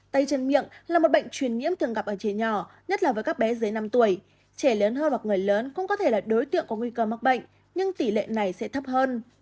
tay chân miệng là một bệnh truyền nhiễm thường gặp ở trẻ nhỏ nhất là với các bé dưới năm tuổi trẻ lớn hơn hoặc người lớn cũng có thể là đối tượng có nguy cơ mắc bệnh nhưng tỷ lệ này sẽ thấp hơn